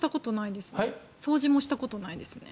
掃除もしたことないですね。